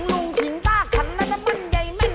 ลุงกินต้าขันน้าจะมั่นใยแม่น